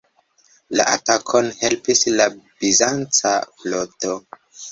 La atakon helpis la bizanca floto.